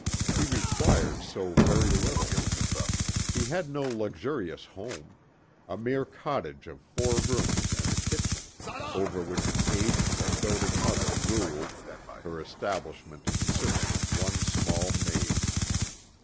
He required so very little. He had no luxurious home; a mere cottage of four rooms and a kitchen, over which an aged and doting mother ruled, her establishment consisting of one small maid.